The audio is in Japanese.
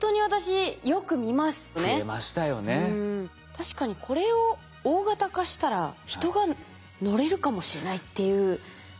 確かにこれを大型化したら人が乗れるかもしれないっていうふうに考えますかね？